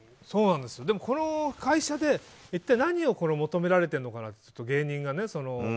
でも、この会社で一体何を求められてるのかなって芸人が。